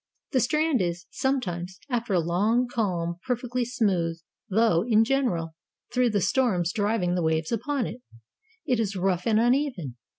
The strand is, sometimes, after a long calm, perfectly smooth, though, in general, through the storms driving the waves upon it, it is rough and uneven.